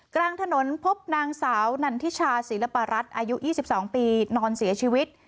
กลางถนนพบนางสาวนันทิชาศิลปรัฐอายุ๒๒ปีนอนเสียชีวิต